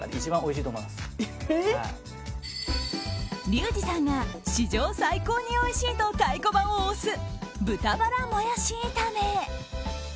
リュウジさんが史上最高においしいと太鼓判を押す豚バラもやし炒め。